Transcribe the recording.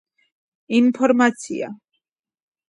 ინფორმაცია